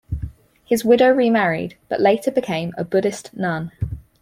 His widow remarried but later became a Buddhist nun.